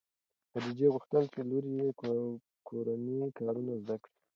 خدیجې غوښتل چې لور یې کورني کارونه زده کړي.